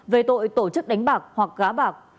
về tội tổ chức đánh bạc hoặc gá bạc